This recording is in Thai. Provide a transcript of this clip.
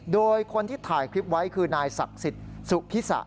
โดยคนที่ถ่ายคลิปไว้คือนายศักดิ์สิทธิ์สุพิษะ